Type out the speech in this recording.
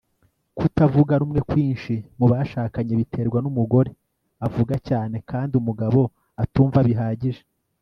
Kutavuga rumwe kwinshi mubushakanye biterwa numugore avuga cyane kandi umugabo atumva bihagije